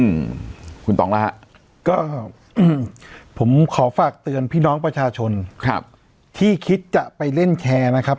อืมคุณต่องแล้วฮะก็อืมผมขอฝากเตือนพี่น้องประชาชนครับที่คิดจะไปเล่นแคร์นะครับ